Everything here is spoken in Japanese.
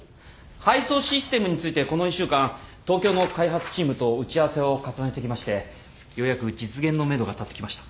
配送システムについてこの１週間東京の開発チームと打ち合わせを重ねてきましてようやく実現のめどが立ってきました。